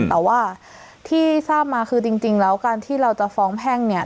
แต่ว่าที่ทราบมาคือจริงแล้วการที่เราจะฟ้องแพ่งเนี่ย